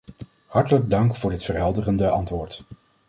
Hartelijk dank voor dit verhelderende antwoord.